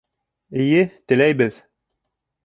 Эйе, теләйбеҙ